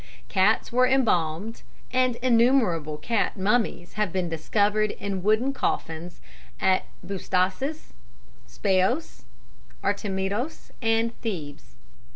Cats were embalmed, and innumerable cat mummies have been discovered in wooden coffins at Bubastis, Speos, Artemidos and Thebes.